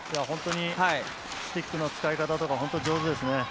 本当にスティックの使い方とか本当に上手ですね。